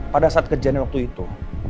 pada saat kejadian waktu itu